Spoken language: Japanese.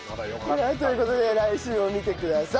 はいという事で来週も見てください。